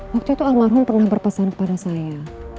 waktu itu almarhum pernah berpesan kepada saya